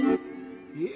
え？